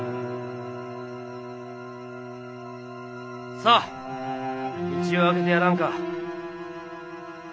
さあ道を開けてやらんか。